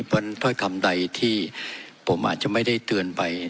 เพราะฉะนั้นถ้อยคำใดที่ผมอาจจะไม่ได้เตือนไป